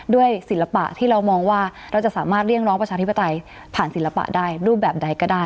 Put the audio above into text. ศิลปะที่เรามองว่าเราจะสามารถเรียกร้องประชาธิปไตยผ่านศิลปะได้รูปแบบใดก็ได้